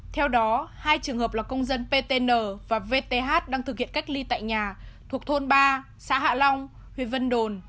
theo đó hai trường hợp là công dân ptn và vth đang thực hiện cách ly tại nhà thuộc thôn ba xã hạ long huyện vân đồn